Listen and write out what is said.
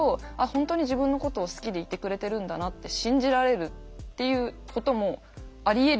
本当に自分のことを好きでいてくれてるんだなって信じられるっていうこともありえるよね